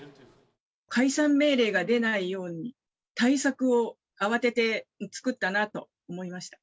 解散命令が出ないように対策を慌てて作ったなと思いました。